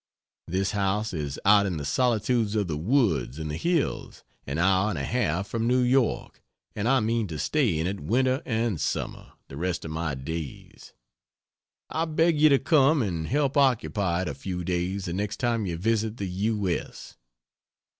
This house is out in the solitudes of the woods and the hills, an hour and a half from New York, and I mean to stay in it winter and summer the rest of my days. I beg you to come and help occupy it a few days the next time you visit the U.S.